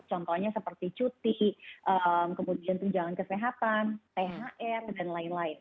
contohnya seperti cuti kemudian tunjangan kesehatan thr dan lain lain